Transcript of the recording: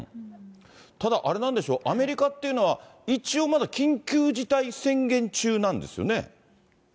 ただ、あれなんでしょう、アメリカっていうのは一応、まだ緊急事態宣言中なんですよね？